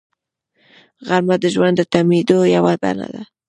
غرمه د ژوند د تمېدو یوه بڼه ده